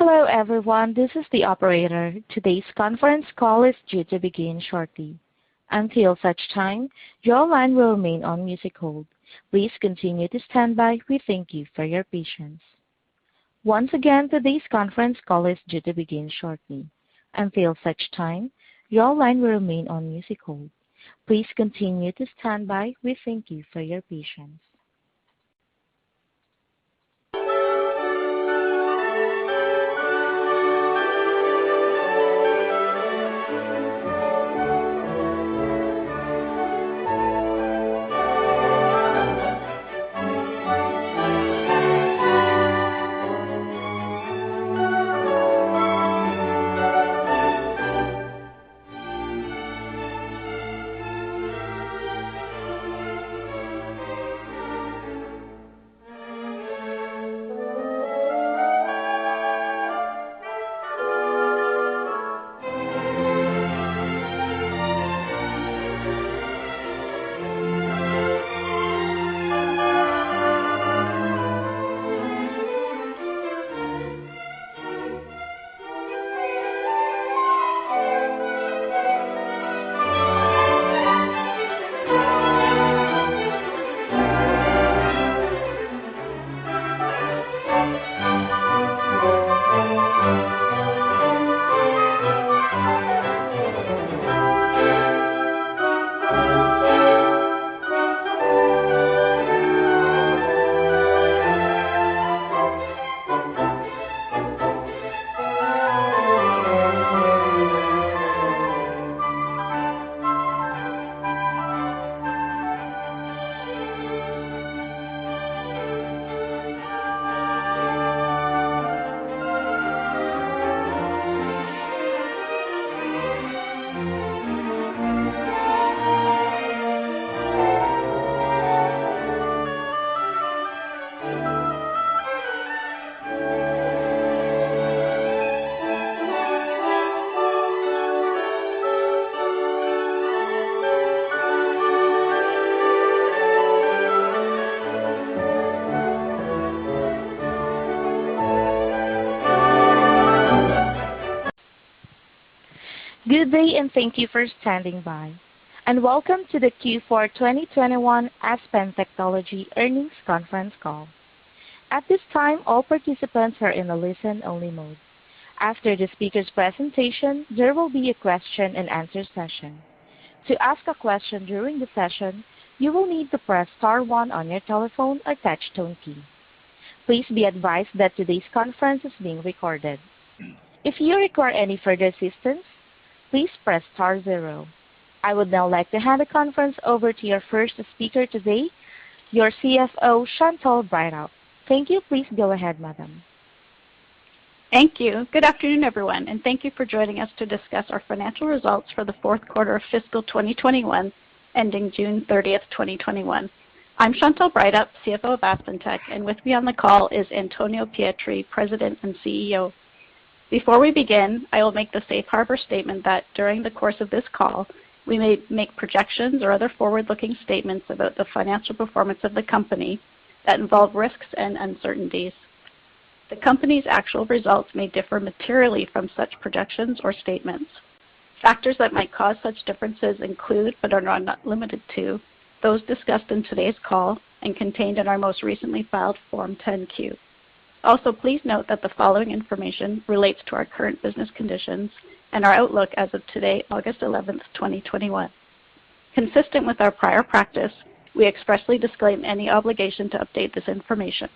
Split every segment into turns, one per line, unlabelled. Good day, and thank you for standing by. Welcome to the Q4 2021 Aspen Technology earnings conference call. At this time all participants are in listen only mode. After the speakers' presentation there will be a question and answer session, to ask a question during the session you will need to press star one on your telephone and hashtone keypad If you require operator's assistance during the conference please press star zero, as a reminder, this conference is being recorded. I would now like to hand the conference over to your first speaker today, your CFO, Chantelle Breithaupt. Thank you. Please go ahead, madam.
Thank you. Good afternoon, everyone, and thank you for joining us to discuss our financial results for the fourth quarter of fiscal 2021, ending June 30, 2021. I'm Chantelle Breithaupt, CFO of AspenTech, and with me on the call is Antonio Pietri, President and CEO. Before we begin, I will make the safe harbor statement that during the course of this call, we may make projections or other forward-looking statements about the financial performance of the company that involve risks and uncertainties. The company's actual results may differ materially from such projections or statements. Factors that might cause such differences include, but are not limited to, those discussed in today's call and contained in our most recently filed Form 10-Q. Also, please note that the following information relates to our current business conditions and our outlook as of today, August 11, 2021. Consistent with our prior practice, we expressly disclaim any obligation to update this information.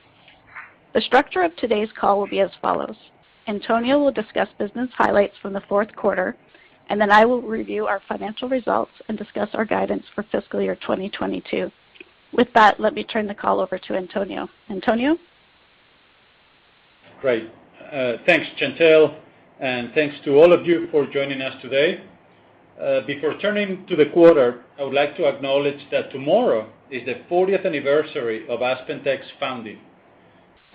The structure of today's call will be as follows. Antonio will discuss business highlights from the fourth quarter, and then I will review our financial results and discuss our guidance for fiscal year 2022. With that, let me turn the call over to Antonio. Antonio?
Great. Thanks, Chantelle, and thanks to all of you for joining us today. Before turning to the quarter, I would like to acknowledge that tomorrow is the 40th anniversary of AspenTech's founding.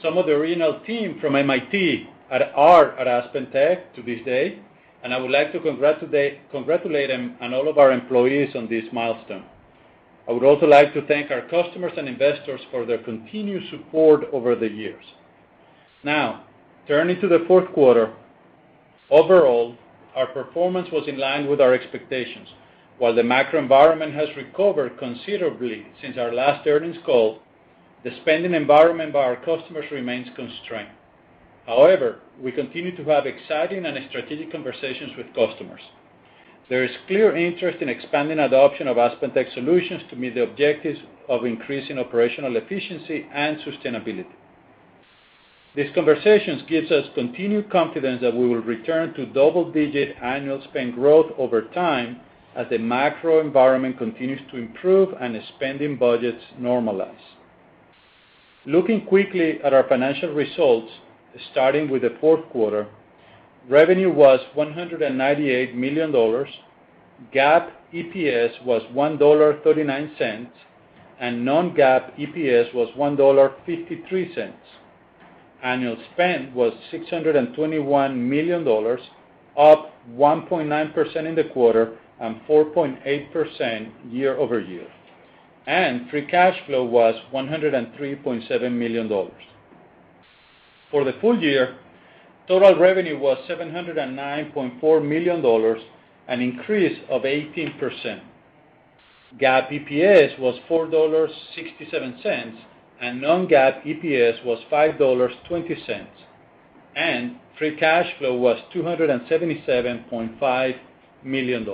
Some of the original team from MIT are at AspenTech to this day, and I would like to congratulate them and all of our employees on this milestone. I would also like to thank our customers and investors for their continued support over the years. Now, turning to the fourth quarter, overall, our performance was in line with our expectations. While the macro environment has recovered considerably since our last earnings call, the spending environment by our customers remains constrained. However, we continue to have exciting and strategic conversations with customers. There is clear interest in expanding adoption of AspenTech solutions to meet the objectives of increasing operational efficiency and sustainability. These conversations gives us continued confidence that we will return to double-digit annual spend growth over time as the macro environment continues to improve and spending budgets normalize. Looking quickly at our financial results, starting with the fourth quarter, revenue was $198 million, GAAP EPS was $1.39, and non-GAAP EPS was $1.53. Annual spend was $621 million, up 1.9% in the quarter and 4.8% year-over-year. Free cash flow was $103.7 million. For the full year, total revenue was $709.4 million, an increase of 18%. GAAP EPS was $4.67, and non-GAAP EPS was $5.20. Free cash flow was $277.5 million.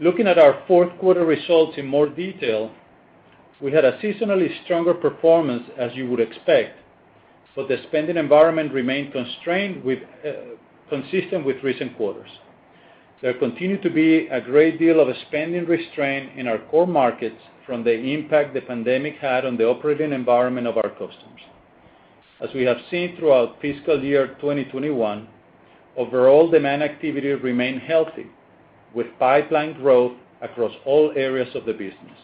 Looking at our fourth quarter results in more detail, we had a seasonally stronger performance as you would expect, but the spending environment remained consistent with recent quarters. There continued to be a great deal of spending restraint in our core markets from the impact the pandemic had on the operating environment of our customers. As we have seen throughout fiscal year 2021, overall demand activity remained healthy, with pipeline growth across all areas of the business.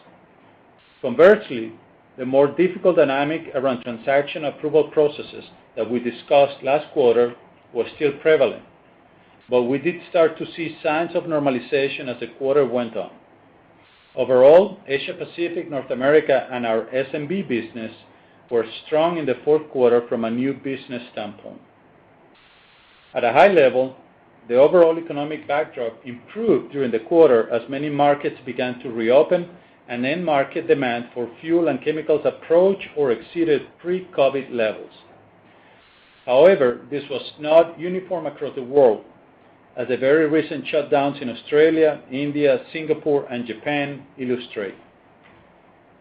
Conversely, the more difficult dynamic around transaction approval processes that we discussed last quarter was still prevalent. We did start to see signs of normalization as the quarter went on. Overall, Asia Pacific, North America, and our SMB business were strong in the fourth quarter from a new business standpoint. At a high level, the overall economic backdrop improved during the quarter as many markets began to reopen, and end market demand for fuel and chemicals approach or exceeded pre-COVID levels. However, this was not uniform across the world, as the very recent shutdowns in Australia, India, Singapore, and Japan illustrate.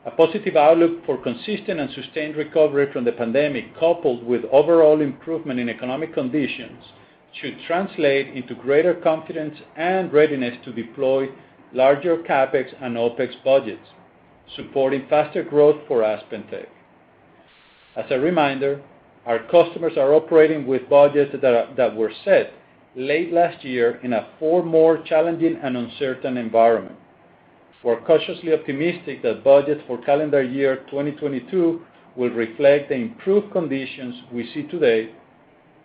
A positive outlook for consistent and sustained recovery from the pandemic, coupled with overall improvement in economic conditions, should translate into greater confidence and readiness to deploy larger CapEx and OpEx budgets, supporting faster growth for AspenTech. As a reminder, our customers are operating with budgets that were set late last year in a far more challenging and uncertain environment. We're cautiously optimistic that budgets for calendar year 2022 will reflect the improved conditions we see today,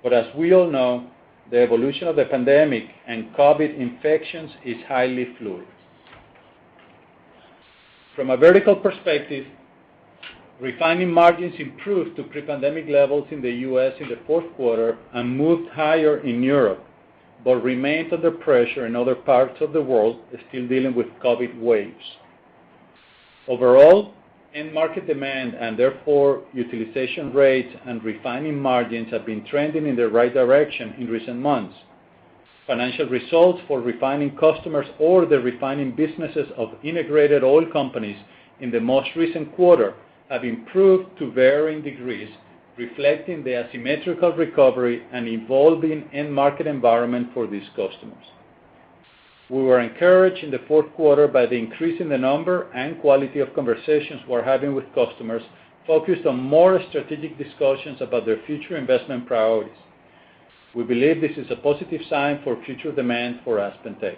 but as we all know, the evolution of the pandemic and COVID infections is highly fluid. From a vertical perspective, refining margins improved to pre-pandemic levels in the U.S. in the fourth quarter and moved higher in Europe, but remained under pressure in other parts of the world still dealing with COVID waves. Overall, end market demand, and therefore utilization rates and refining margins, have been trending in the right direction in recent months. Financial results for refining customers or the refining businesses of integrated oil companies in the most recent quarter have improved to varying degrees, reflecting the asymmetrical recovery and evolving end market environment for these customers. We were encouraged in the fourth quarter by the increase in the number and quality of conversations we're having with customers, focused on more strategic discussions about their future investment priorities. We believe this is a positive sign for future demand for AspenTech.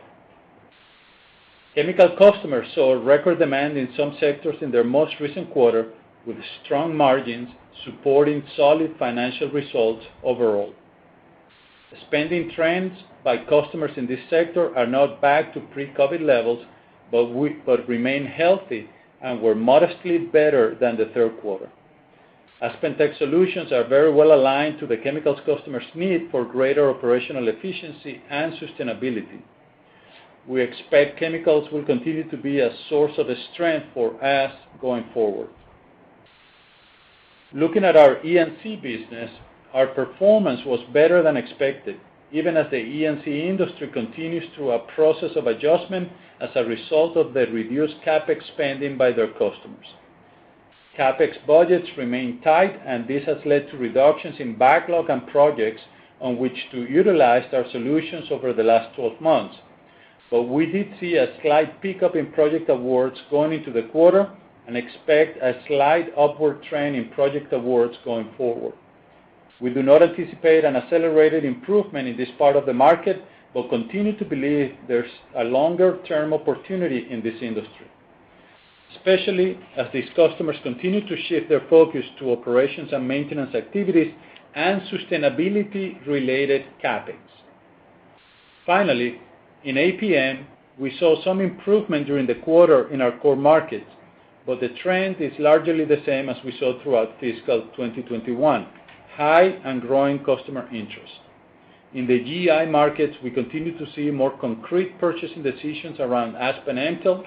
Chemical customers saw record demand in some sectors in their most recent quarter, with strong margins supporting solid financial results overall. Spending trends by customers in this sector are not back to pre-COVID levels, but remain healthy and were modestly better than the third quarter. AspenTech solutions are very well-aligned to the chemicals customers' need for greater operational efficiency and sustainability. We expect chemicals will continue to be a source of strength for us going forward. Looking at our E&C business, our performance was better than expected, even as the E&C industry continues through a process of adjustment as a result of the reduced CapEx spending by their customers. CapEx budgets remain tight, and this has led to reductions in backlog and projects on which to utilize our solutions over the last 12 months. We did see a slight pickup in project awards going into the quarter and expect a slight upward trend in project awards going forward. We do not anticipate an accelerated improvement in this part of the market, but continue to believe there's a longer-term opportunity in this industry. Especially as these customers continue to shift their focus to operations and maintenance activities and sustainability-related CapEx. In APM, we saw some improvement during the quarter in our core markets. The trend is largely the same as we saw throughout fiscal 2021. High and growing customer interest. In the GEI markets, we continue to see more concrete purchasing decisions around Aspen Mtell.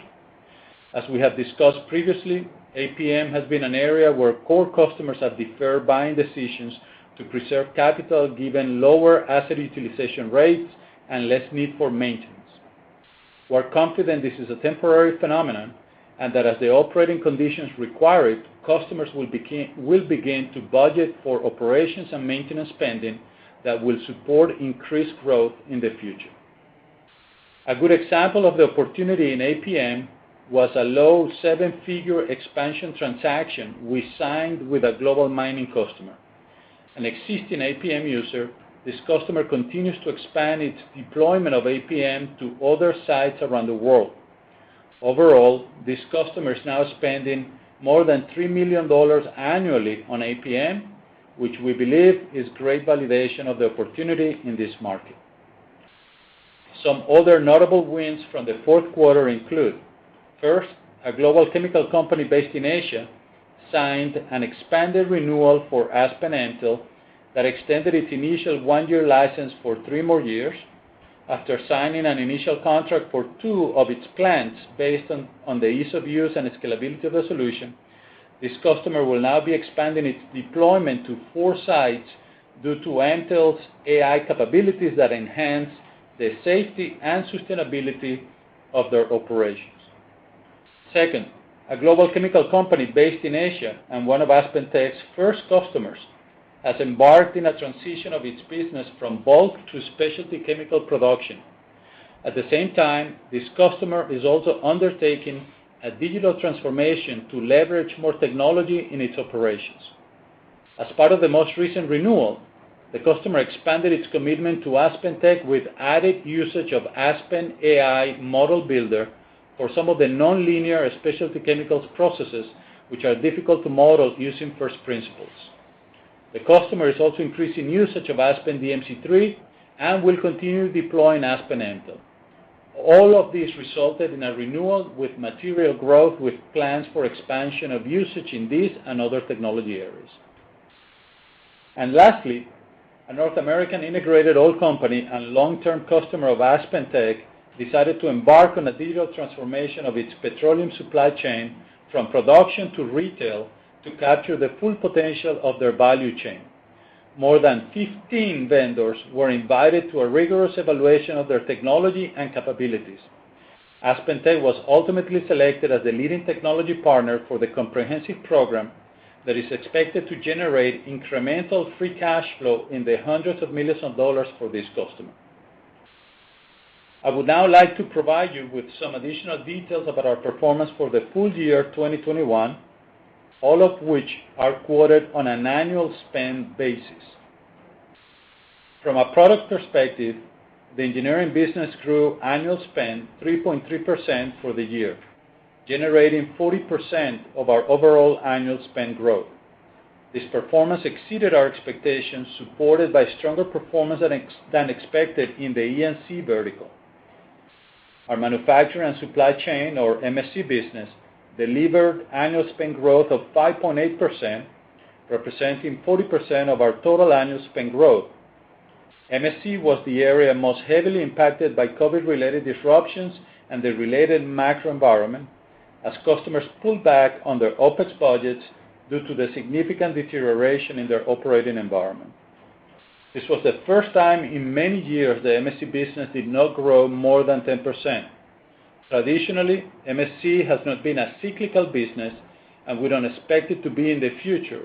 As we have discussed previously, APM has been an area where core customers have deferred buying decisions to preserve capital, given lower asset utilization rates and less need for maintenance. We're confident this is a temporary phenomenon, and that as the operating conditions require it, customers will begin to budget for operations and maintenance spending that will support increased growth in the future. A good example of the opportunity in APM was a low 7-figure expansion transaction we signed with a global mining customer. An existing APM user, this customer continues to expand its deployment of APM to other sites around the world. Overall, this customer is now spending more than $3 million annually on APM, which we believe is great validation of the opportunity in this market. Some other notable wins from the fourth quarter include, first, a global chemical company based in Asia signed an expanded renewal for Aspen Mtell that extended its initial one-year license for three more years. After signing an initial contract for two of its plants based on the ease of use and scalability of the solution, this customer will now be expanding its deployment to four sites due to Mtell's AI capabilities that enhance the safety and sustainability of their operations. Second, a global chemical company based in Asia and one of AspenTech's first customers, has embarked in a transition of its business from bulk to specialty chemical production. At the same time, this customer is also undertaking a digital transformation to leverage more technology in its operations. As part of the most recent renewal, the customer expanded its commitment to AspenTech with added usage of Aspen AI Model Builder for some of the nonlinear specialty chemicals processes, which are difficult to model using first principles. The customer is also increasing usage of Aspen DMC3 and will continue deploying Aspen Mtell. All of this resulted in a renewal with material growth, with plans for expansion of usage in these and other technology areas. Lastly, a North American integrated oil company and long-term customer of AspenTech decided to embark on a digital transformation of its petroleum supply chain from production to retail to capture the full potential of their value chain. More than 15 vendors were invited to a rigorous evaluation of their technology and capabilities. AspenTech was ultimately selected as the leading technology partner for the comprehensive program that is expected to generate incremental free cash flow in the hundreds of millions of dollars for this customer. I would now like to provide you with some additional details about our performance for the full year 2021, all of which are quoted on an annual spend basis. From a product perspective, the engineering business grew annual spend 3.3% for the year, generating 40% of our overall annual spend growth. This performance exceeded our expectations, supported by stronger performance than expected in the E&C vertical. Our Manufacturing and Supply Chain, or MSC business, delivered annual spend growth of 5.8%, representing 40% of our total annual spend growth. MSC was the area most heavily impacted by COVID-related disruptions and the related macro environment, as customers pulled back on their OpEx budgets due to the significant deterioration in their operating environment. This was the first time in many years the MSC business did not grow more than 10%. Traditionally, MSC has not been a cyclical business, and we don't expect it to be in the future.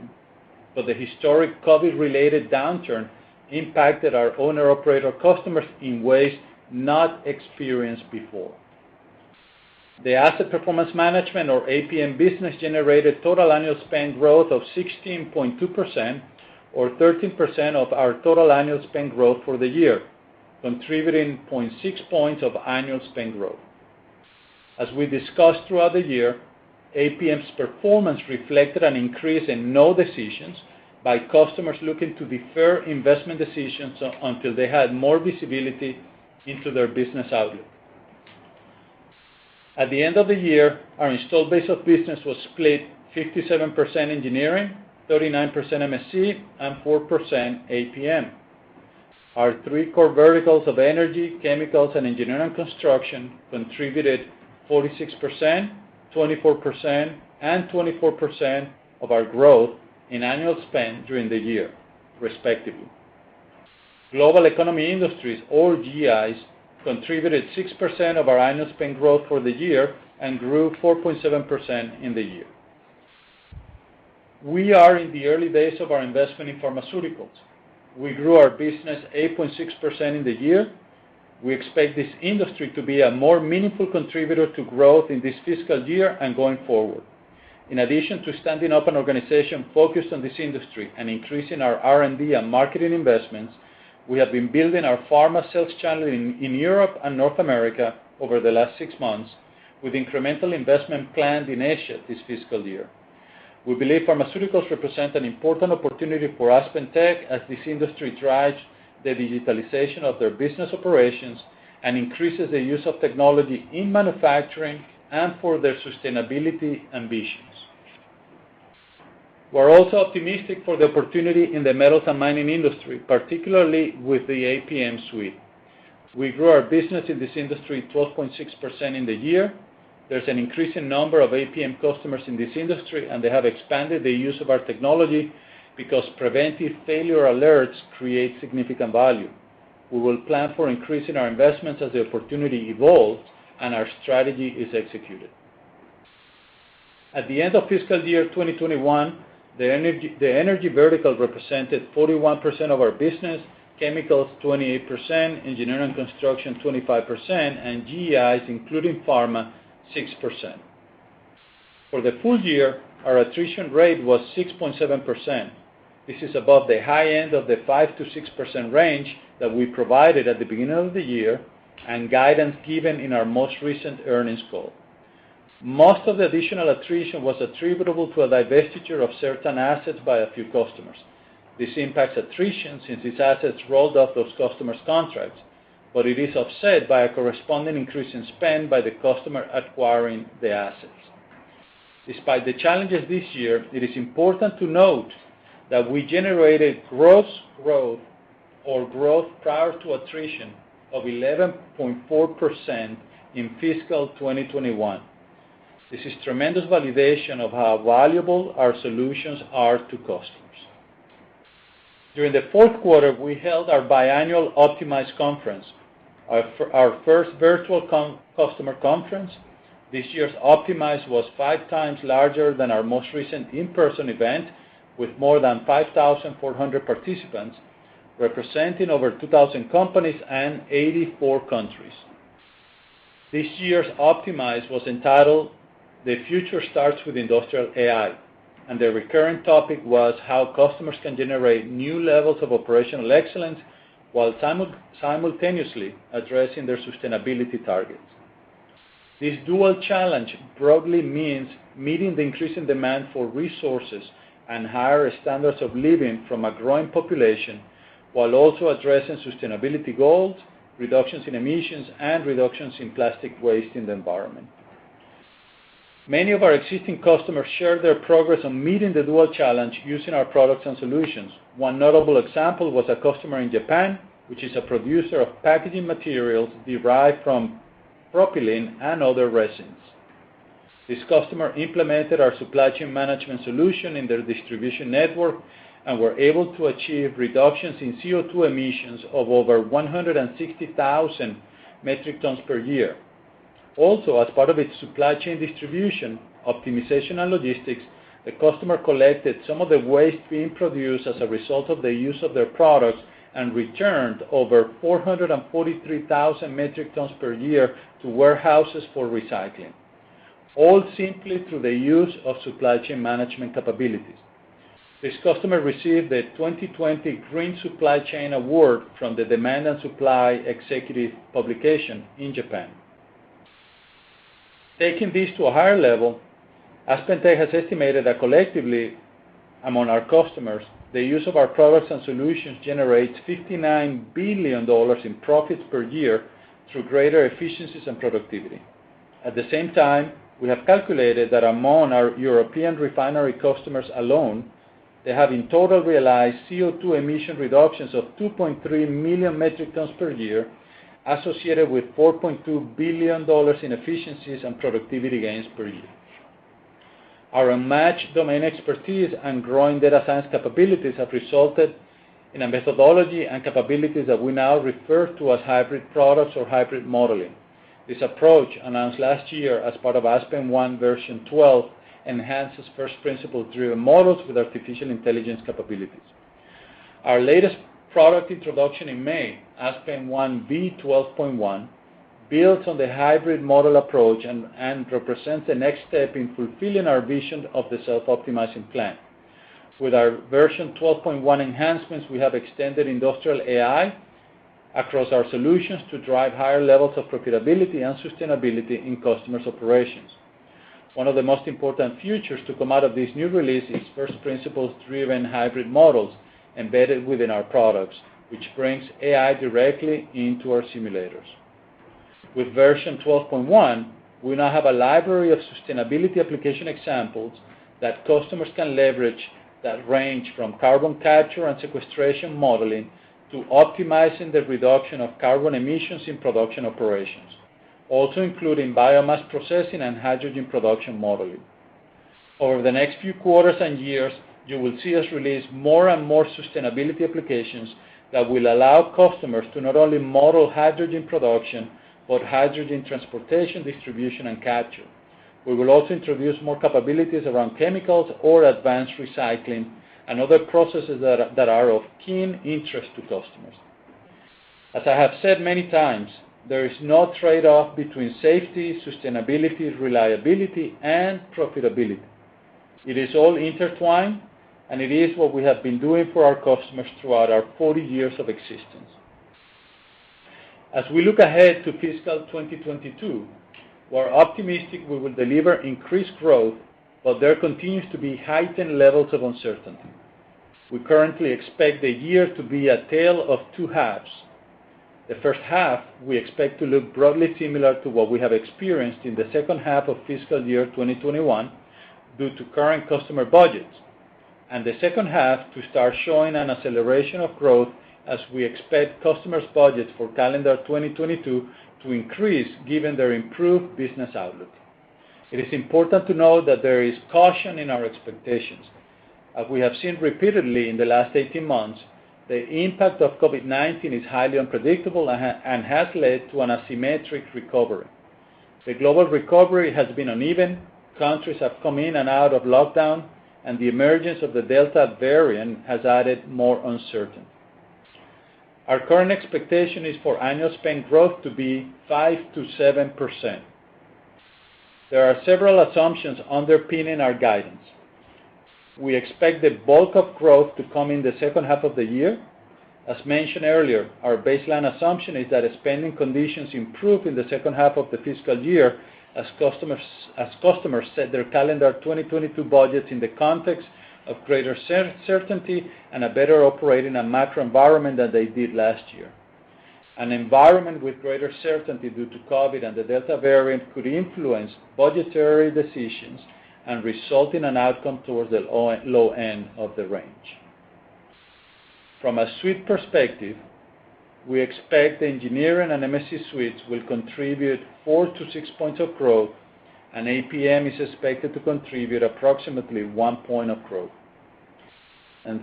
The historic COVID-related downturn impacted our owner/operator customers in ways not experienced before. The Asset Performance Management or APM business generated total annual spend growth of 16.2%, or 13% of our total annual spend growth for the year, contributing 0.6 points of annual spend growth. As we discussed throughout the year, APM's performance reflected an increase in no decisions by customers looking to defer investment decisions until they had more visibility into their business outlook. At the end of the year, our installed base of business was split 57% engineering, 39% MSC, and 4% APM. Our three core verticals of energy, chemicals, and engineering and construction contributed 46%, 24%, and 24% of our growth in annual spend during the year, respectively. Global Economy Industries, or GEIs, contributed 6% of our annual spend growth for the year and grew 4.7% in the year. We are in the early days of our investment in pharmaceuticals. We grew our business 8.6% in the year. We expect this industry to be a more meaningful contributor to growth in this fiscal year and going forward. In addition to standing up an organization focused on this industry and increasing our R&D and marketing investments, we have been building our pharma sales channel in Europe and North America over the last 6 months with incremental investment planned in Asia this fiscal year. We believe pharmaceuticals represent an important opportunity for AspenTech as this industry drives the digitalization of their business operations and increases the use of technology in manufacturing and for their sustainability ambitions. We're also optimistic for the opportunity in the metals and mining industry, particularly with the APM suite. We grew our business in this industry 12.6% in the year. There's an increasing number of APM customers in this industry, and they have expanded the use of our technology because preventive failure alerts create significant value. We will plan for increasing our investments as the opportunity evolves and our strategy is executed. At the end of fiscal year 2021, the energy vertical represented 41% of our business, chemicals 28%, E&C 25%, and GEIs, including pharma, 6%. For the full year, our attrition rate was 6.7%. This is above the high end of the 5%-6% range that we provided at the beginning of the year and guidance given in our most recent earnings call. Most of the additional attrition was attributable to a divestiture of certain assets by a few customers. This impacts attrition since its assets rolled off those customers' contracts, but it is offset by a corresponding increase in spend by the customer acquiring the assets. Despite the challenges this year, it is important to note that we generated gross growth or growth prior to attrition of 11.4% in fiscal 2021. This is tremendous validation of how valuable our solutions are to customers. During the 4th quarter, we held our biannual OPTIMIZE conference, our first virtual customer conference. This year's OPTIMIZE was 5x larger than our most recent in-person event, with more than 5,400 participants, representing over 2,000 companies and 84 countries. This year's OPTIMIZE was entitled The Future Starts with Industrial AI, and the recurrent topic was how customers can generate new levels of operational excellence while simultaneously addressing their sustainability targets. This dual challenge broadly means meeting the increasing demand for resources and higher standards of living from a growing population, while also addressing sustainability goals, reductions in emissions, and reductions in plastic waste in the environment. Many of our existing customers shared their progress on meeting the dual challenge using our products and solutions. One notable example was a customer in Japan, which is a producer of packaging materials derived from propylene and other resins. This customer implemented our supply chain management solution in their distribution network and were able to achieve reductions in CO2 emissions of over 160,000 metric tons per year. Also, as part of its supply chain distribution, optimization and logistics, the customer collected some of the waste being produced as a result of the use of their products and returned over 443,000 metric tons per year to warehouses for recycling, all simply through the use of supply chain management capabilities. This customer received the 2020 Green Supply Chain Award from the Supply & Demand Chain Executive publication in Japan. Taking this to a higher level, AspenTech has estimated that collectively among our customers, the use of our products and solutions generates $59 billion in profits per year through greater efficiencies and productivity. At the same time, we have calculated that among our European refinery customers alone, they have in total realized CO2 emission reductions of 2.3 million metric tons per year, associated with $4.2 billion in efficiencies and productivity gains per year. Our unmatched domain expertise and growing data science capabilities have resulted in a methodology and capabilities that we now refer to as hybrid products or hybrid modeling. This approach, announced last year as part of aspenONE V12, enhances first-principle driven models with artificial intelligence capabilities. Our latest product introduction in May, aspenONE V12.1, builds on the hybrid model approach and represents the next step in fulfilling our vision of the self-optimizing plant. With our V12.1 enhancements, we have extended Industrial AI across our solutions to drive higher levels of profitability and sustainability in customers' operations. One of the most important features to come out of this new release is first principles-driven hybrid models embedded within our products, which brings AI directly into our simulators. With Version 12.1, we now have a library of sustainability application examples that customers can leverage that range from carbon capture and sequestration modeling to optimizing the reduction of carbon emissions in production operations, also including biomass processing and hydrogen production modeling. Over the next few quarters and years, you will see us release more and more sustainability applications that will allow customers to not only model hydrogen production, but hydrogen transportation, distribution, and capture. We will also introduce more capabilities around chemicals or advanced recycling and other processes that are of keen interest to customers. As I have said many times, there is no trade-off between safety, sustainability, reliability, and profitability. It is all intertwined, and it is what we have been doing for our customers throughout our 40 years of existence. As we look ahead to fiscal 2022, we're optimistic we will deliver increased growth, while there continues to be heightened levels of uncertainty. We currently expect the year to be a tale of two halves. The first half we expect to look broadly similar to what we have experienced in the second half of fiscal year 2021 due to current customer budgets, and the second half to start showing an acceleration of growth as we expect customers' budgets for calendar 2022 to increase given their improved business outlook. It is important to note that there is caution in our expectations. As we have seen repeatedly in the last 18 months, the impact of COVID-19 is highly unpredictable and has led to an asymmetric recovery. The global recovery has been uneven. Countries have come in and out of lockdown, and the emergence of the Delta variant has added more uncertainty. Our current expectation is for annual spend growth to be 5%-7%. There are several assumptions underpinning our guidance. We expect the bulk of growth to come in the second half of the year. As mentioned earlier, our baseline assumption is that spending conditions improve in the second half of the fiscal year as customers set their calendar 2022 budgets in the context of greater certainty and a better operating and macro environment than they did last year. An environment with greater certainty due to COVID and the Delta variant could influence budgetary decisions and result in an outcome towards the low end of the range. From a suite perspective, we expect the engineering and MSC suites will contribute 4 to 6 points of growth, APM is expected to contribute approximately 1 point of growth.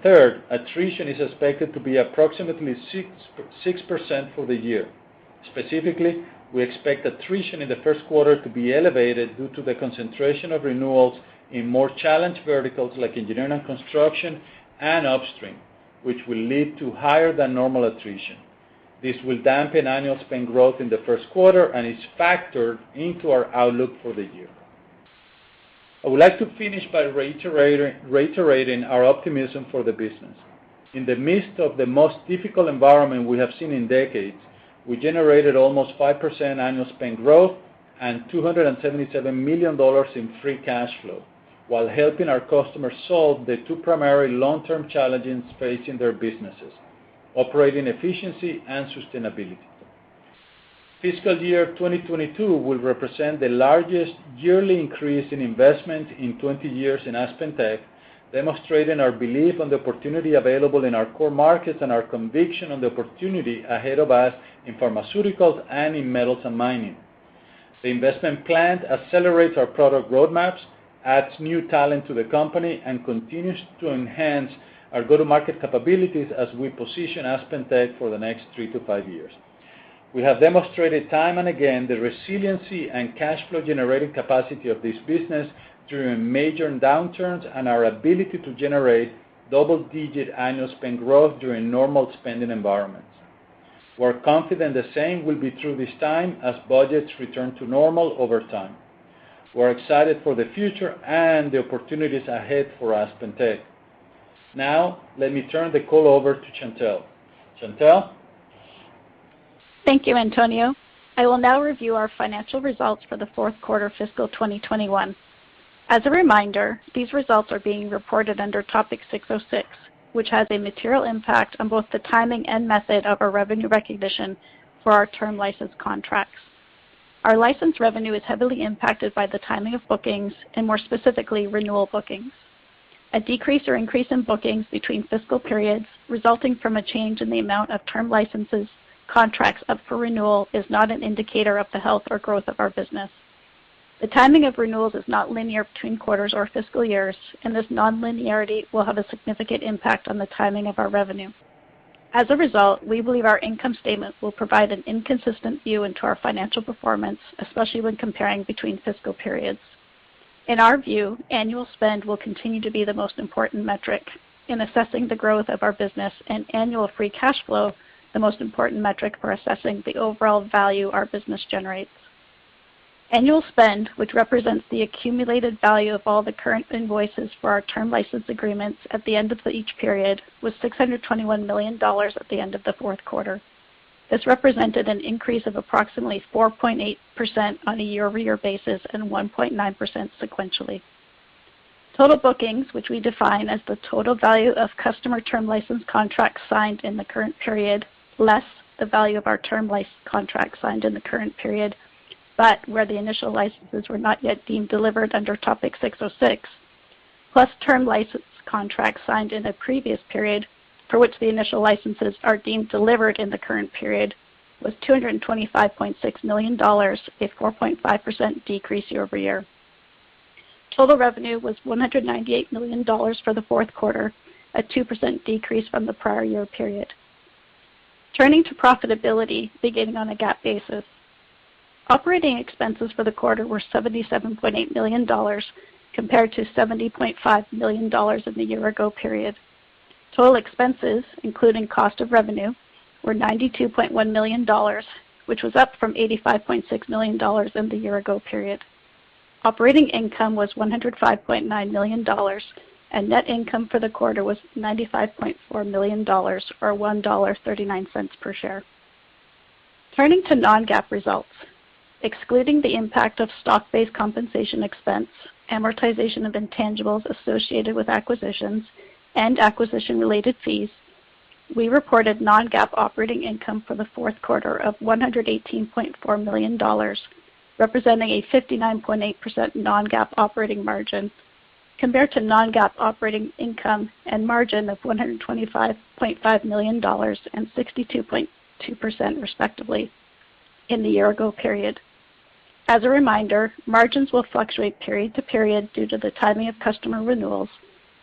Third, attrition is expected to be approximately 6% for the year. Specifically, we expect attrition in the first quarter to be elevated due to the concentration of renewals in more challenged verticals like engineering and construction and upstream, which will lead to higher than normal attrition. This will dampen annual spend growth in the first quarter and is factored into our outlook for the year. I would like to finish by reiterating our optimism for the business. In the midst of the most difficult environment we have seen in decades, we generated almost 5% annual spend growth and $277 million in free cash flow while helping our customers solve the two primary long-term challenges facing their businesses, operating efficiency and sustainability. Fiscal year 2022 will represent the largest yearly increase in investment in 20 years in AspenTech, demonstrating our belief on the opportunity available in our core markets and our conviction on the opportunity ahead of us in pharmaceuticals and in metals and mining. The investment plan accelerates our product roadmaps, adds new talent to the company, and continues to enhance our go-to-market capabilities as we position AspenTech for the next three to five years. We have demonstrated time and again the resiliency and cash flow generating capacity of this business during major downturns and our ability to generate double-digit annual spend growth during normal spending environments. We're confident the same will be true this time as budgets return to normal over time. We're excited for the future and the opportunities ahead for AspenTech. Now, let me turn the call over to Chantelle. Chantelle?
Thank you, Antonio. I will now review our financial results for the fourth quarter fiscal 2021. As a reminder, these results are being reported under Topic 606, which has a material impact on both the timing and method of our revenue recognition for our term license contracts. Our license revenue is heavily impacted by the timing of bookings, and more specifically, renewal bookings. A decrease or increase in bookings between fiscal periods resulting from a change in the amount of term licenses contracts up for renewal is not an indicator of the health or growth of our business. The timing of renewals is not linear between quarters or fiscal years, and this non-linearity will have a significant impact on the timing of our revenue. As a result, we believe our income statement will provide an inconsistent view into our financial performance, especially when comparing between fiscal periods. In our view, annual spend will continue to be the most important metric in assessing the growth of our business, and annual free cash flow, the most important metric for assessing the overall value our business generates. Annual spend, which represents the accumulated value of all the current invoices for our term license agreements at the end of each period, was $621 million at the end of the fourth quarter. This represented an increase of approximately 4.8% on a year-over-year basis and 1.9% sequentially. Total bookings, which we define as the total value of customer term license contracts signed in the current period, less the value of our term license contracts signed in the current period, but where the initial licenses were not yet deemed delivered under Topic 606, plus term license contracts signed in a previous period for which the initial licenses are deemed delivered in the current period, was $225.6 million, a 4.5% decrease year-over-year. Total revenue was $198 million for the fourth quarter, a 2% decrease from the prior year period. Turning to profitability, beginning on a GAAP basis. Operating expenses for the quarter were $77.8 million compared to $70.5 million in the year ago period. Total expenses, including cost of revenue, were $92.1 million, which was up from $85.6 million in the year ago period. Operating income was $105.9 million, and net income for the quarter was $95.4 million, or $1.39 per share. Turning to non-GAAP results. Excluding the impact of stock-based compensation expense, amortization of intangibles associated with acquisitions, and acquisition-related fees, we reported non-GAAP operating income for the fourth quarter of $118.4 million, representing a 59.8% non-GAAP operating margin, compared to non-GAAP operating income and margin of $125.5 million and 62.2% respectively in the year ago period. As a reminder, margins will fluctuate period to period due to the timing of customer renewals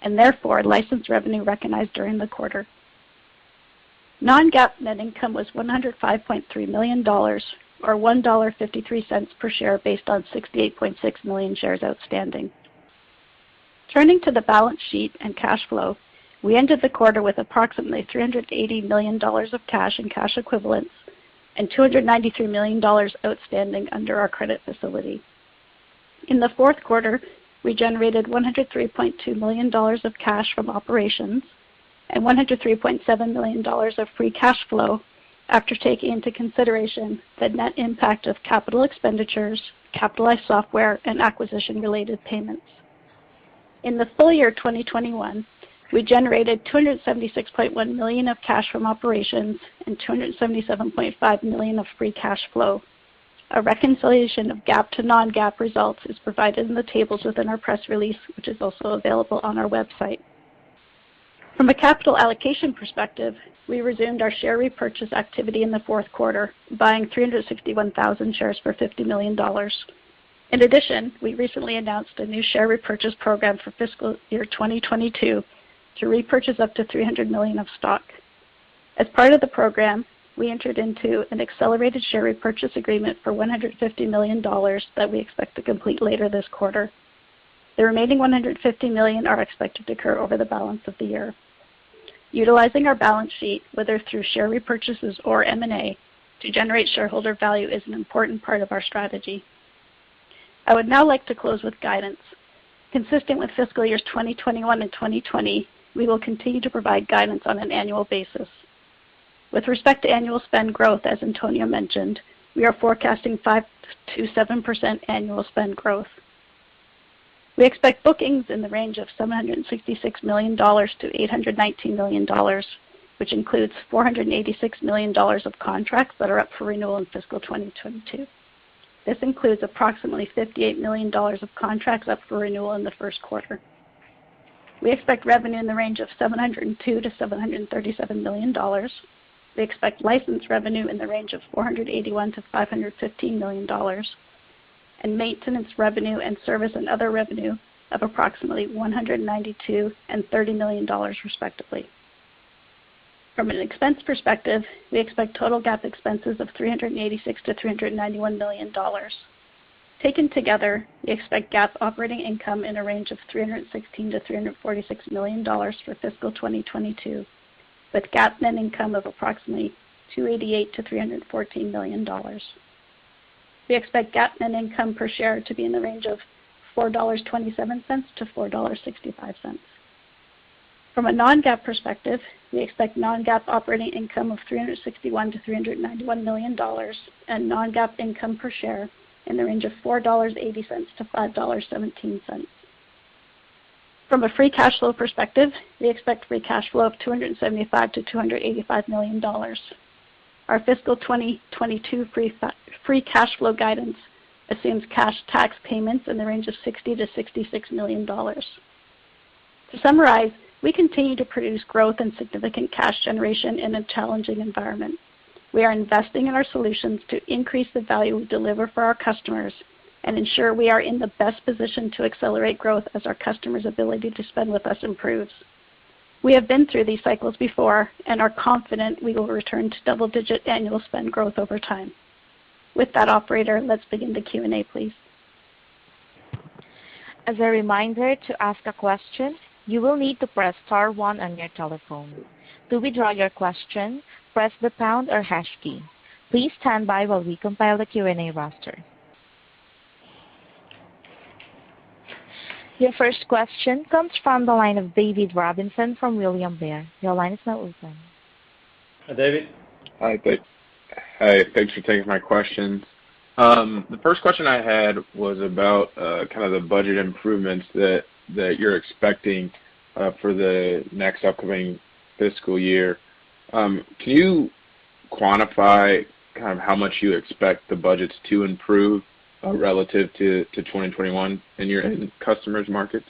and therefore license revenue recognized during the quarter. Non-GAAP net income was $105.3 million, or $1.53 per share based on 68.6 million shares outstanding. Turning to the balance sheet and cash flow. We ended the quarter with approximately $380 million of cash and cash equivalents and $293 million outstanding under our credit facility. In the fourth quarter, we generated $103.2 million of cash from operations and $103.7 million of free cash flow, after taking into consideration the net impact of capital expenditures, capitalized software, and acquisition-related payments. In the full year 2021, we generated $276.1 million of cash from operations and $277.5 million of free cash flow. A reconciliation of GAAP to non-GAAP results is provided in the tables within our press release, which is also available on our website. From a capital allocation perspective, we resumed our share repurchase activity in the fourth quarter, buying 361,000 shares for $50 million. In addition, we recently announced a new share repurchase program for fiscal year 2022 to repurchase up to $300 million of stock. As part of the program, we entered into an accelerated share repurchase agreement for $150 million that we expect to complete later this quarter. The remaining $150 million are expected to occur over the balance of the year. Utilizing our balance sheet, whether through share repurchases or M&A, to generate shareholder value is an important part of our strategy. I would now like to close with guidance. Consistent with fiscal years 2021 and 2020, we will continue to provide guidance on an annual basis. With respect to annual spend growth, as Antonio mentioned, we are forecasting 5%-7% annual spend growth. We expect bookings in the range of $766 million-$819 million, which includes $486 million of contracts that are up for renewal in fiscal 2022. This includes approximately $58 million of contracts up for renewal in the first quarter. We expect revenue in the range of $702 million-$737 million. We expect licensed revenue in the range of $481 million-$515 million, and maintenance revenue and service and other revenue of approximately $192 million and $30 million, respectively. From an expense perspective, we expect total GAAP expenses of $386 million-$391 million. Taken together, we expect GAAP operating income in a range of $316 million-$346 million for fiscal 2022, with GAAP net income of approximately $288 million-$314 million. We expect GAAP net income per share to be in the range of $4.27-$4.65. From a non-GAAP perspective, we expect non-GAAP operating income of $361 million-$391 million, and non-GAAP income per share in the range of $4.80-$5.17. From a free cash flow perspective, we expect free cash flow of $275 million-$285 million. Our fiscal 2022 free cash flow guidance assumes cash tax payments in the range of $60 million-$66 million. To summarize, we continue to produce growth and significant cash generation in a challenging environment. We are investing in our solutions to increase the value we deliver for our customers and ensure we are in the best position to accelerate growth as our customers' ability to spend with us improves. We have been through these cycles before and are confident we will return to double-digit annual spend growth over time. With that, operator, let's begin the Q&A please.
As a reminder, to ask a question, you will need to press star one on your telephone. To withdraw your question, press the pound or hash key. Please stand by while we compile the Q&A roster. Your first question comes from the line of David Robinson from William Blair. Your line is now open.
Hi, David.
Hi. Thanks for taking my questions. The first question I had was about kind of the budget improvements that you're expecting for the next upcoming fiscal year. Can you quantify kind of how much you expect the budgets to improve relative to 2021 in your end customers' markets?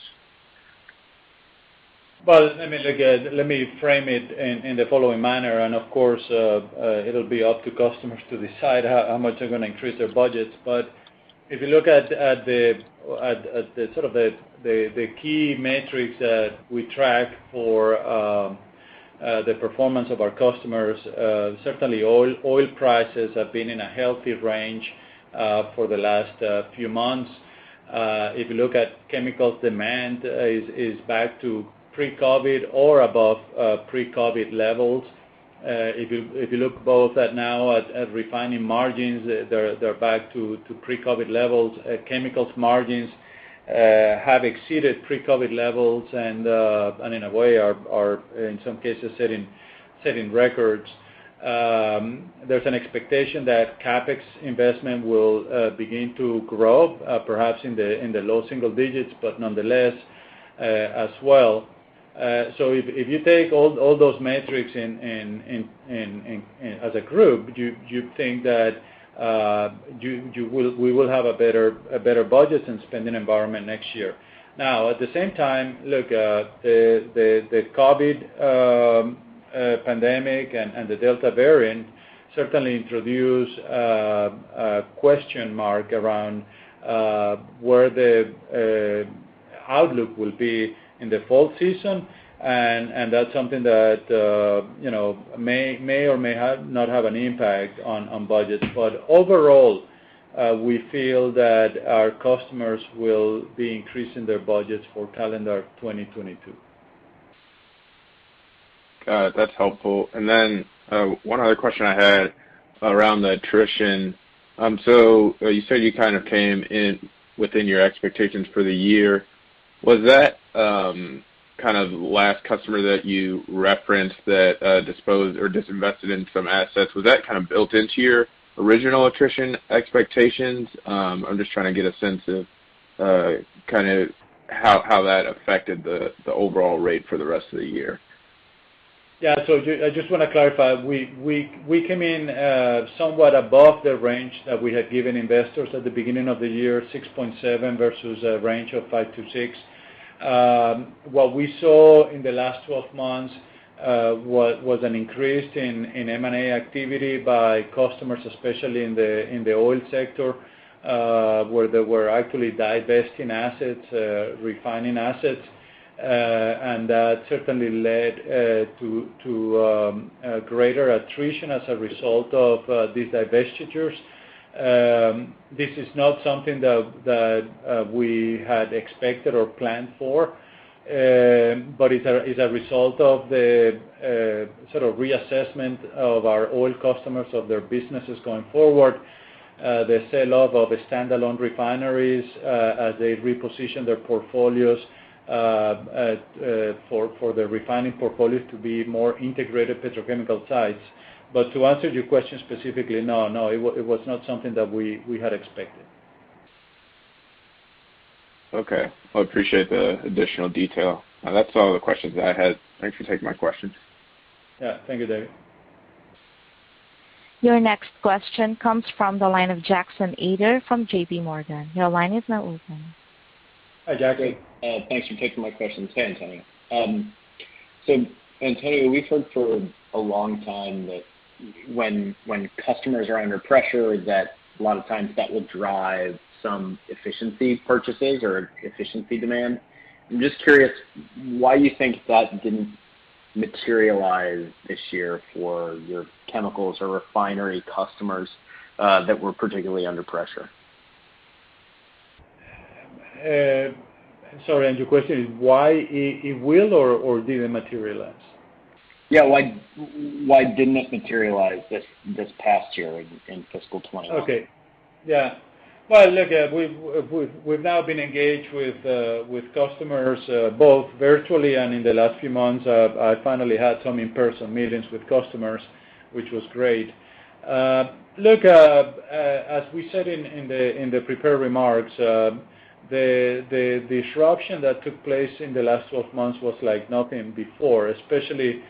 Well, let me frame it in the following manner. Of course, it'll be up to customers to decide how much they're going to increase their budgets. If you look at the sort of the key metrics that we track for the performance of our customers, certainly oil prices have been in a healthy range for the last few months. If you look at chemicals, demand is back to pre-COVID or above pre-COVID levels. If you look both at now at refining margins, they're back to pre-COVID levels. Chemicals margins have exceeded pre-COVID levels and in a way are in some cases setting records. There's an expectation that CapEx investment will begin to grow, perhaps in the low single digits, nonetheless, as well. If you take all those metrics in as a group, you'd think that we will have a better budgets and spending environment next year. At the same time, the COVID-19 pandemic and the Delta variant certainly introduce a question mark around where the outlook will be in the fall season, and that's something that may or may not have an impact on budgets. Overall, we feel that our customers will be increasing their budgets for calendar 2022.
Got it. That's helpful. One other question I had around the attrition. You said you kind of came in within your expectations for the year. Was that kind of last customer that you referenced that disposed or disinvested in some assets, was that kind of built into your original attrition expectations? I'm just trying to get a sense of how that affected the overall rate for the rest of the year.
I just want to clarify. We came in somewhat above the range that we had given investors at the beginning of the year, 6.7 versus a range of 5 to 6. What we saw in the last 12 months, was an increase in M&A activity by customers, especially in the oil sector, where they were actually divesting assets, refining assets. That certainly led to greater attrition as a result of these divestitures. This is not something that we had expected or planned for. It's a result of the sort of reassessment of our oil customers, of their businesses going forward, the sell-off of the standalone refineries, as they reposition their portfolios, for the refining portfolios to be more integrated petrochemical sites. To answer your question specifically, no, it was not something that we had expected.
Okay. I appreciate the additional detail. That's all the questions I had. Thanks for taking my questions.
Yeah. Thank you, David.
Your next question comes from the line of Jackson Ader from JPMorgan.
Hi, Jackson.
Hey. Thanks for taking my question. Hey, Antonio. Antonio, we've heard for a long time that when customers are under pressure, that a lot of times that will drive some efficiency purchases or efficiency demand. I'm just curious why you think that didn't materialize this year for your chemicals or refinery customers that were particularly under pressure.
Sorry, your question is why it will or didn't materialize?
Yeah, why didn't it materialize this past year in fiscal 2021?
Well, look, we've now been engaged with customers, both virtually and in the last few months, I finally had some in-person meetings with customers, which was great. Look, as we said in the prepared remarks, the disruption that took place in the last 12 months was like nothing before, especially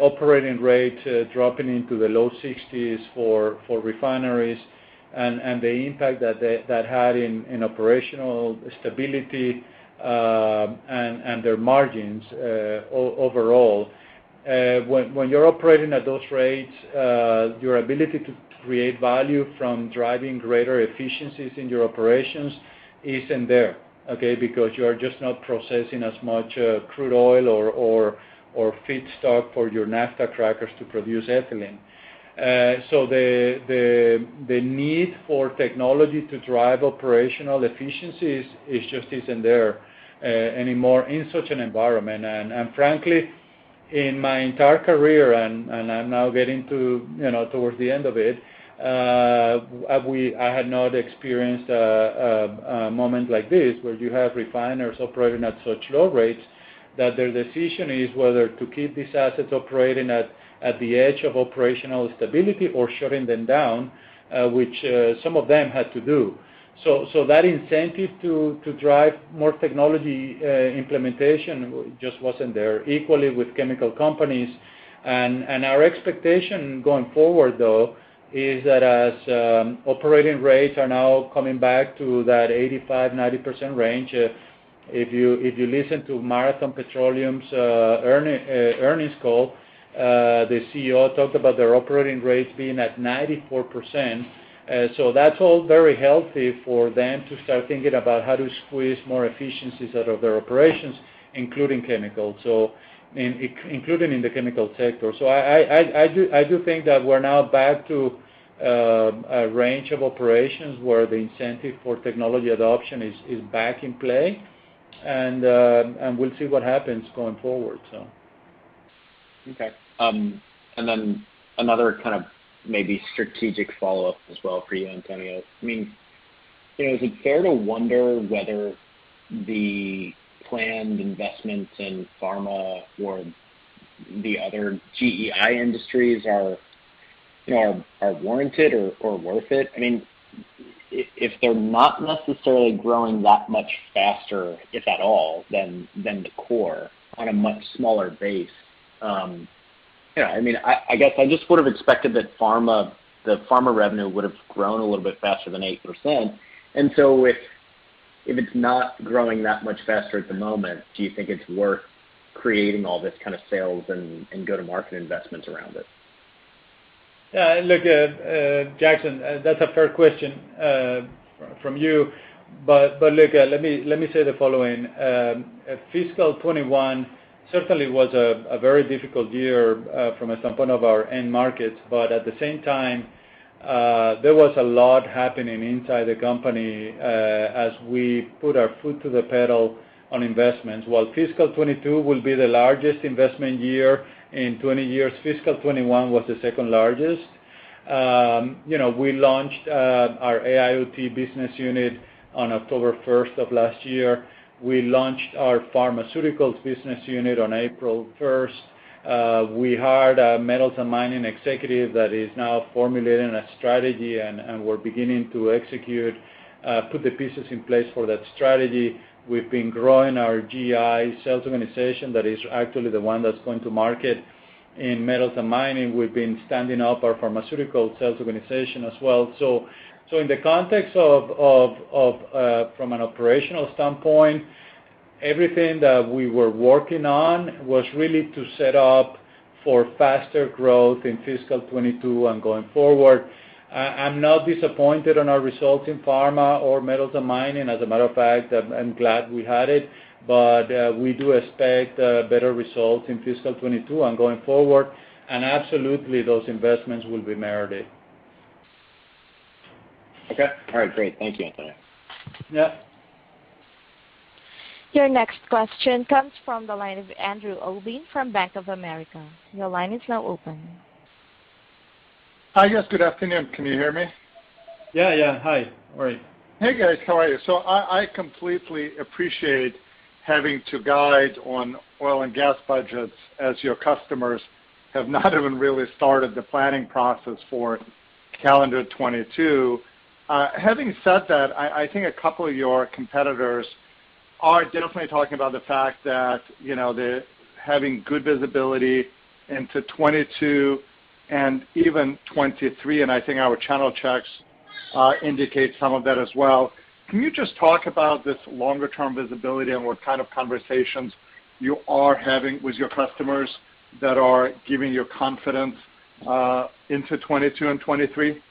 operating rates dropping into the low 60s for refineries and the impact that had in operational stability, and their margins overall. When you're operating at those rates, your ability to create value from driving greater efficiencies in your operations isn't there, okay? You are just not processing as much crude oil or feedstock for your naphtha crackers to produce ethylene. The need for technology to drive operational efficiencies, it just isn't there anymore in such an environment. Frankly, in my entire career, and I'm now getting towards the end of it, I had not experienced a moment like this, where you have refiners operating at such low rates that their decision is whether to keep these assets operating at the edge of operational stability or shutting them down, which some of them had to do. That incentive to drive more technology implementation just wasn't there. Equally with chemical companies. Our expectation going forward, though, is that as operating rates are now coming back to that 85%-90% range. If you listen to Marathon Petroleum's earnings call, the CEO talked about their operating rates being at 94%. That's all very healthy for them to start thinking about how to squeeze more efficiencies out of their operations, including in the chemical sector. I do think that we're now back to a range of operations where the incentive for technology adoption is back in play, and we'll see what happens going forward.
Okay. Another kind of maybe strategic follow-up as well for you, Antonio. Is it fair to wonder whether the planned investments in pharma or the other GEI industries are warranted or worth it? If they're not necessarily growing that much faster, if at all, than the core on a much smaller base. I guess I just would've expected that the pharma revenue would have grown a little bit faster than 8%. If it's not growing that much faster at the moment, do you think it's worth creating all this kind of sales and go-to-market investments around it?
Yeah. Look, Jackson, that's a fair question from you. Look, let me say the following. Fiscal 2021 certainly was a very difficult year from a standpoint of our end markets. At the same time, there was a lot happening inside the company as we put our foot to the pedal on investments. While fiscal 2022 will be the largest investment year in 20 years, fiscal 2021 was the second largest. We launched our AIoT business unit on October 1st of last year. We launched our pharmaceuticals business unit on April 1st. We hired a metals and mining executive that is now formulating a strategy, and we're beginning to execute, put the pieces in place for that strategy. We've been growing our GEI sales organization. That is actually the one that's going to market in metals and mining. We've been standing up our pharmaceutical sales organization as well. In the context of, from an operational standpoint, everything that we were working on was really to set up for faster growth in FY 2022 and going forward. I'm not disappointed on our results in pharma or metals and mining. As a matter of fact, I'm glad we had it. We do expect better results in FY 2022 and going forward, and absolutely those investments will be merited.
Okay. All right, great. Thank you, Antonio.
Yeah.
Your next question comes from the line of Andrew Obin from Bank of America.
Hi, guys. Good afternoon. Can you hear me?
Yeah. Hi. How are you?
Hey, guys. How are you? I completely appreciate having to guide on oil and gas budgets, as your customers have not even really started the planning process for calendar 2022. Having said that, I think a couple of your competitors are definitely talking about the fact that they're having good visibility into 2022 and even 2023, and I think our channel checks indicate some of that as well. Can you just talk about this longer-term visibility and what kind of conversations you are having with your customers that are giving you confidence into 2022 and 2023?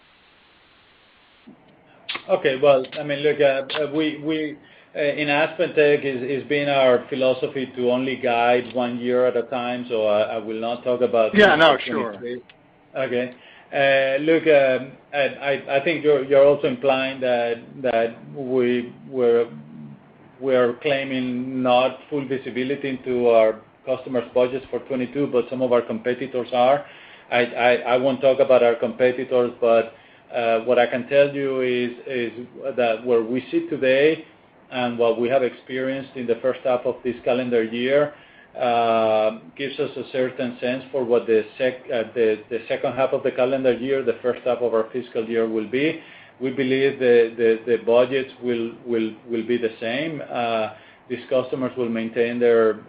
Okay. Well, look, in AspenTech, it's been our philosophy to only guide one year at a time, so I will not.
Yeah, no, sure.
2023. Okay. Look, I think you're also implying that we're claiming not full visibility into our customers' budgets for 2022, but some of our competitors are. I won't talk about our competitors, but what I can tell you is that where we sit today and what we have experienced in the first half of this calendar year gives us a certain sense for what the second half of the calendar year, the first half of our fiscal year will be. We believe the budgets will be the same. These customers will maintain their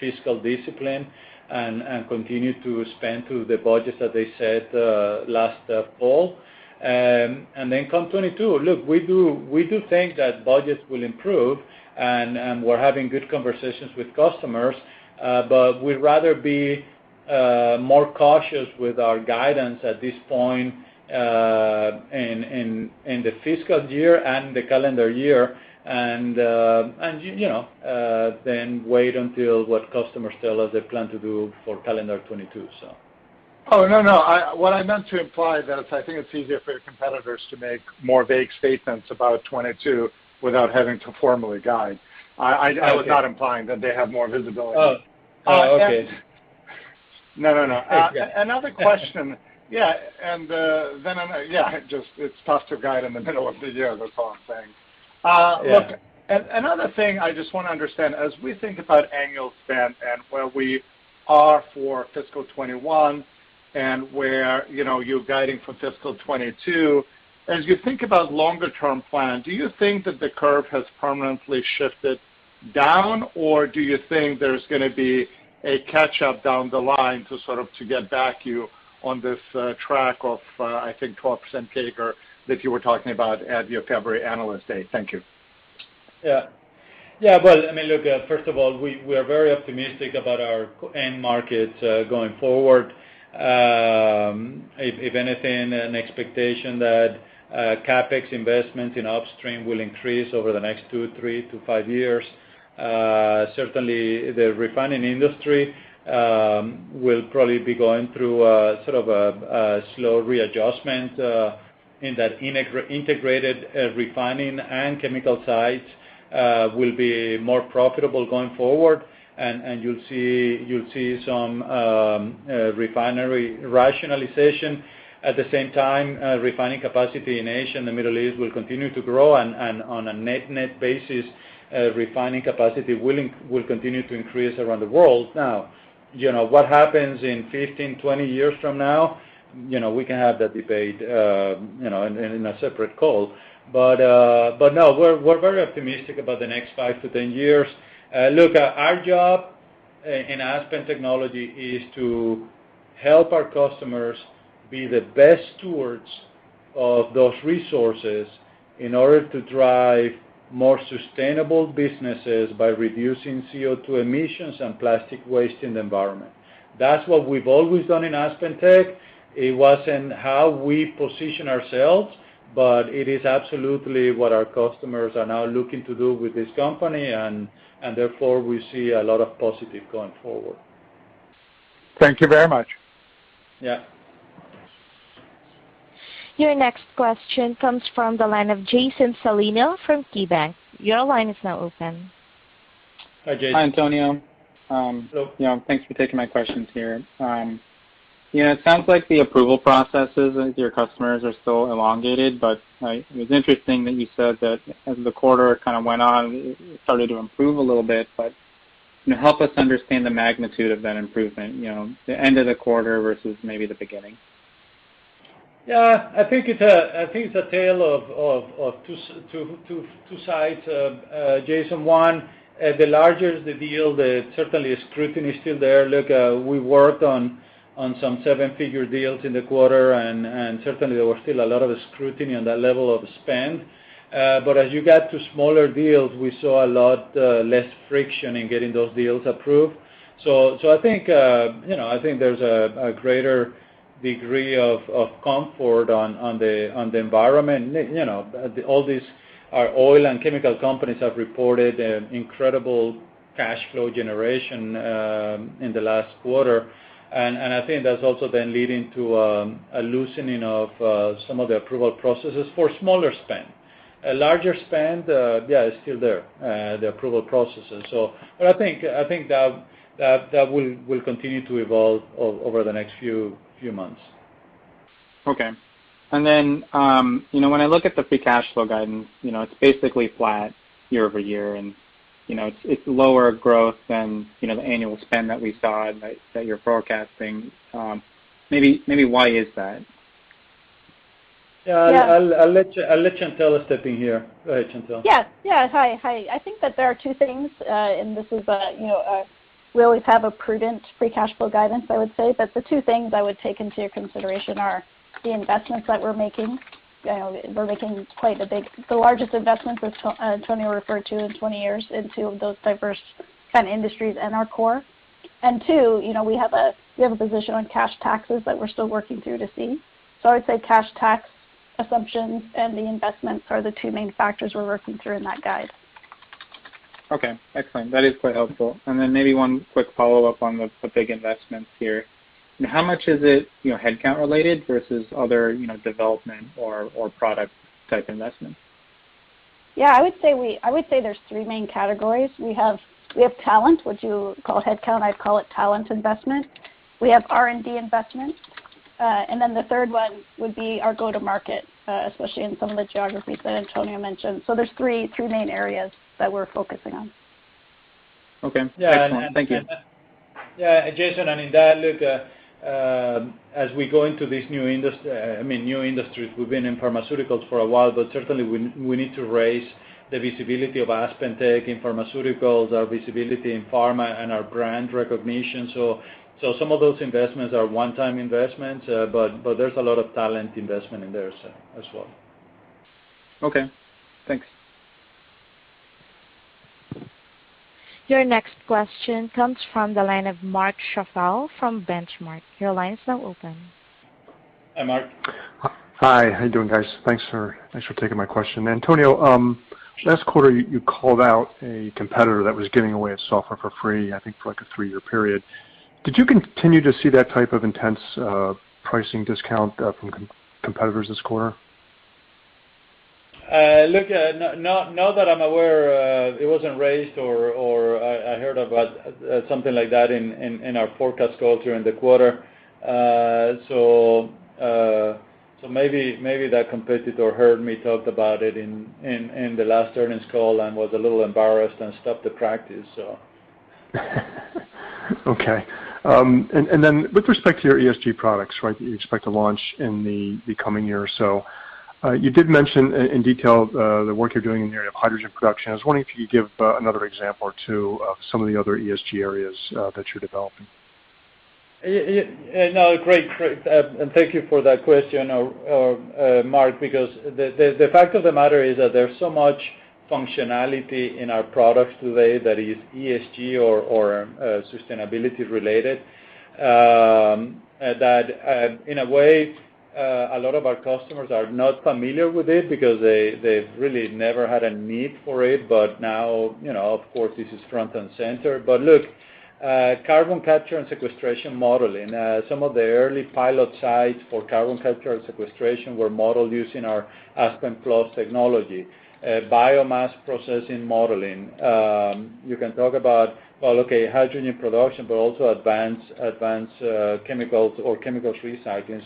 fiscal discipline and continue to spend to the budgets that they set last fall. Come 2022, look, we do think that budgets will improve, and we're having good conversations with customers. We'd rather be more cautious with our guidance at this point in the fiscal year and the calendar year than wait until what customers tell us they plan to do for calendar 2022.
Oh, no. What I meant to imply is that I think it's easier for your competitors to make more vague statements about 2022 without having to formally guide.
Okay.
I was not implying that they have more visibility.
Oh, okay.
No.
Okay.
Another question. It's tough to guide in the middle of the year, that's all I'm saying.
Yeah.
Look, another thing I just want to understand, as we think about annual spend and where we are for fiscal 2021 and where you're guiding for fiscal 2022, as you think about longer-term plans, do you think that the curve has permanently shifted down, or do you think there's going to be a catch-up down the line to sort of get back you on this track of, I think, 12% CAGR that you were talking about at your February Analyst Day? Thank you.
Yeah. Well, look, first of all, we are very optimistic about our end market going forward. If anything, an expectation that CapEx investment in upstream will increase over the next two, three to five years. Certainly, the refining industry will probably be going through a sort of a slow readjustment in that integrated refining and chemical sites will be more profitable going forward. You'll see some refinery rationalization. At the same time, refining capacity in Asia and the Middle East will continue to grow, and on a net-net basis, refining capacity will continue to increase around the world. What happens in 15, 20 years from now, we can have that debate in a separate call. no, we're very optimistic about the next 5 to 10 years. Look, our job in Aspen Technology is to help our customers be the best stewards of those resources in order to drive more sustainable businesses by reducing CO2 emissions and plastic waste in the environment. That's what we've always done in AspenTech. It wasn't how we position ourselves, but it is absolutely what our customers are now looking to do with this company, and therefore, we see a lot of positive going forward.
Thank you very much.
Yeah.
Your next question comes from the line of Jason Celino from KeyBanc Capital Markets. Your line is now open.
Hi, Jason.
Hi, Antonio.
Hello.
Thanks for taking my questions here. It sounds like the approval processes of your customers are still elongated. It was interesting that you said that as the quarter kind of went on, it started to improve a little bit. Can you help us understand the magnitude of that improvement, the end of the quarter versus maybe the beginning?
I think it's a tale of two sides, Jason. One, the larger the deal, certainly scrutiny is still there. Look, we worked on some seven-figure deals in the quarter, and certainly there was still a lot of scrutiny on that level of spend. As you got to smaller deals, we saw a lot less friction in getting those deals approved. I think there's a greater degree of comfort on the environment. All these oil and chemical companies have reported incredible cash flow generation in the last quarter, and I think that's also then leading to a loosening of some of the approval processes for smaller spend. Larger spend, yeah, it's still there, the approval processes. I think that will continue to evolve over the next few months.
Okay. When I look at the free cash flow guidance, it's basically flat year-over-year, and it's lower growth than the annual spend that we saw that you're forecasting. Maybe why is that?
Yeah.
Yeah.
I'll let Chantelle step in here. Go ahead, Chantelle.
Yes. Hi. I think that there are two things. We always have a prudent free cash flow guidance, I would say. The two things I would take into consideration are the investments that we're making. We're making the largest investments that Antonio referred to in 20 years into those diverse kind of industries and our core. Two, we have a position on cash taxes that we're still working through to see. I would say cash tax assumptions and the investments are the two main factors we're working through in that guide.
Okay, excellent. That is quite helpful. Maybe one quick follow-up on the big investments here. How much is it headcount-related versus other development or product-type investments?
Yeah, I would say there's three main categories. We have talent, what you call headcount, I call it talent investment. We have R&D investment. The third one would be our go-to-market, especially in some of the geographies that Antonio mentioned. There's three main areas that we're focusing on.
Okay.
Yeah.
Excellent. Thank you.
Yeah, Jason, in that look, as we go into these new industries, we've been in pharmaceuticals for a while, but certainly we need to raise the visibility of AspenTech in pharmaceuticals, our visibility in pharma, and our brand recognition. Some of those investments are one-time investments, but there's a lot of talent investment in there as well.
Okay. Thanks.
Your next question comes from the line of Mark Schappel from Benchmark. Your line is now open.
Hi, Mark.
Hi. How you doing, guys? Thanks for taking my question. Antonio, last quarter, you called out a competitor that was giving away its software for free, I think for like a three-year period. Did you continue to see that type of intense pricing discount from competitors this quarter?
Look, not that I'm aware of. It wasn't raised or I heard about something like that in our forecast calls during the quarter. Maybe that competitor heard me talk about it in the last earnings call and was a little embarrassed and stopped the practice.
Okay. With respect to your ESG products that you expect to launch in the coming year or so, you did mention in detail the work you're doing in the area of hydrogen production. I was wondering if you could give another example or two of some of the other ESG areas that you're developing.
No, great. Thank you for that question, Mark, because the fact of the matter is that there's so much functionality in our products today that is ESG or sustainability-related, that in a way, a lot of our customers are not familiar with it because they've really never had a need for it. Now, of course, this is front and center. Look, carbon capture and sequestration modeling. Some of the early pilot sites for carbon capture and sequestration were modeled using our Aspen Plus technology. Biomass processing modeling. You can talk about, well, okay, hydrogen production, but also advanced chemicals or chemicals recycling.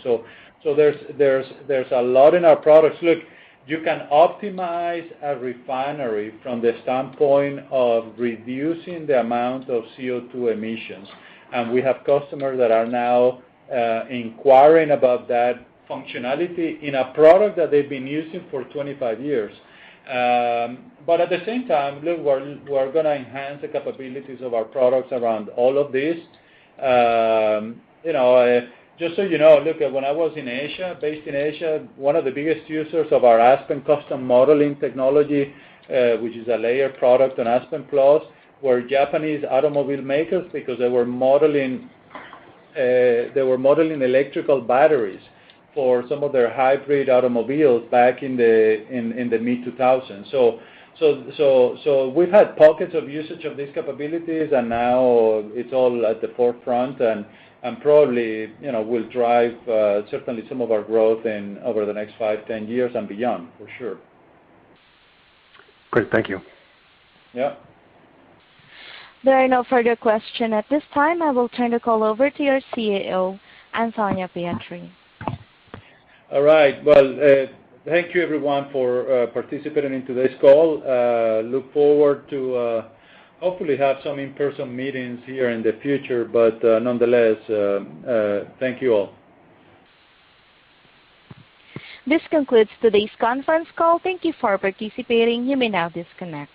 There's a lot in our products. Look, you can optimize a refinery from the standpoint of reducing the amount of CO2 emissions. We have customers that are now inquiring about that functionality in a product that they've been using for 25 years. At the same time, look, we're going to enhance the capabilities of our products around all of this. Just so you know, look, when I was in Asia, based in Asia, one of the biggest users of our Aspen Custom Modeler technology, which is a layer product on Aspen Plus, were Japanese automobile makers because they were modeling electrical batteries for some of their hybrid automobiles back in the mid-2000s. We've had pockets of usage of these capabilities, and now it's all at the forefront, and probably will drive certainly some of our growth over the next 5, 10 years and beyond, for sure.
Great. Thank you.
Yeah.
There are no further questions at this time. I will turn the call over to your CEO, Antonio Pietri.
All right. Well, thank you everyone for participating in today's call. Look forward to hopefully have some in-person meetings here in the future. Nonetheless, thank you all.
This concludes today's conference call. Thank you for participating. You may now disconnect.